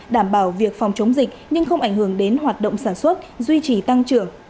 đảm bảo việc phòng chống dịch nhưng không ảnh hưởng đến hoạt động sản xuất duy trì tăng trưởng